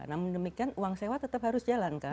namun demikian uang sewa tetap harus jalankan